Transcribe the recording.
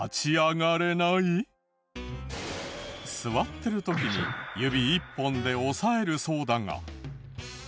座ってる時に指１本で押さえるそうだが。